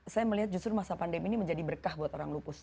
saya melihat justru masa pandemi ini menjadi berkah buat orang lupus